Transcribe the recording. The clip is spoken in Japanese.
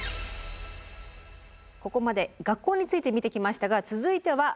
ここまで学校について見てきましたが続いては会社です。